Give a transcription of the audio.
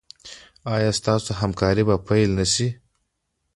ایا ستاسو همکاري به پیل نه شي؟